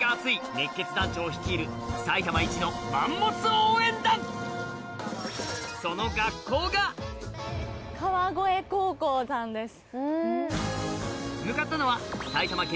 熱血団長率いる埼玉一のマンモス応援団さんです。